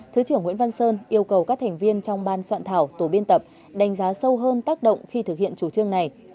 thứ trưởng nguyễn văn sơn yêu cầu các thành viên trong ban soạn thảo tổ biên tập đánh giá sâu hơn tác động khi thực hiện chủ trương này